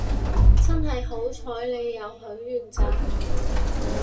真係好彩你有許願咋